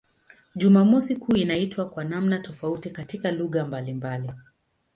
Jumamosi kuu inaitwa kwa namna tofauti katika lugha mbalimbali.